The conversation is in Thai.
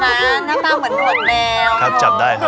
หน้าตาเหมือนหนูนแมว